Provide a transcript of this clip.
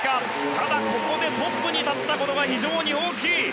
ただここでトップに立ったことは非常に大きい。